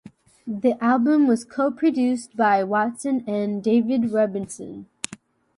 The album was co-produced by Watson and David Rubinson.